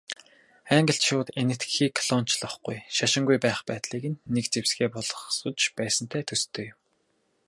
Англичууд Энэтхэгийг колоничлохгүй, шашингүй байх байдлыг нэг зэвсгээ болгож байсантай төстэй юм.